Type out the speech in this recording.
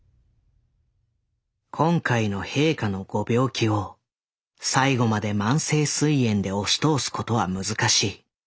「今回の陛下のご病気を最後まで慢性膵炎で押し通すことは難しい。